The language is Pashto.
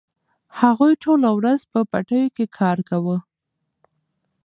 هغوی ټوله ورځ په پټیو کې کار کاوه.